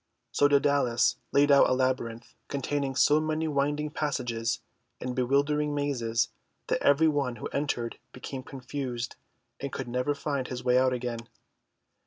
So Daedalus laid out a Labyrinth containing so many winding passages and bewildering mazes that every one who entered became confused and could never find his way out again.